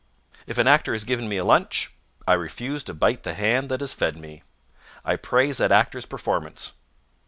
If an actor has given me a lunch, I refuse to bite the hand that has fed me. I praise that actor's performance.